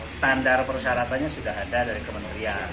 standar persyaratannya sudah ada dari kementerian